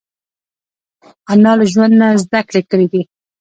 انا له ژوند نه زده کړې کړې دي